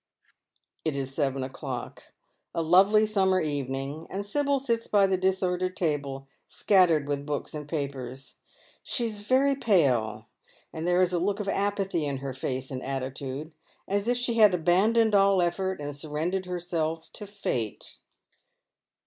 It is seven o'clock, a lovely summer evening, and Sibyl sits by the disordered table, scattered with books and papers. She is very pale, and there is a look of apathy in her face and attitude, as if she had abandoned all effort and surrendered herself to fate.